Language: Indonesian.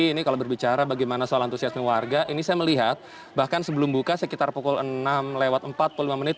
ini kalau berbicara bagaimana soal antusiasme warga ini saya melihat bahkan sebelum buka sekitar pukul enam lewat empat puluh lima menit